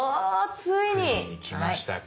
ついに来ましたか。